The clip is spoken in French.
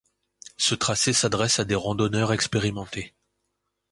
Ce tracé s'adresse à des randonneurs expérimentés.